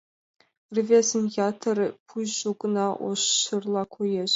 Рвезын йытыра пӱйжӧ гына ош шерла коеш.